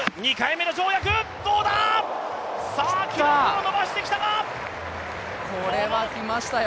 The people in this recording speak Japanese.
さあ、記録を伸ばしてきたかこれは来ましたよ。